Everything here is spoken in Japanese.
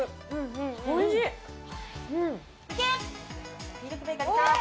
おいしい。